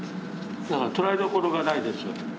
だからとらえどころがないですよ